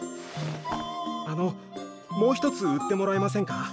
あのもう一つ売ってもらえませんか？